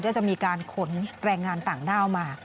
ก็จะมีการขนแรงงานต่างด้าวมา